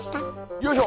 よいしょ！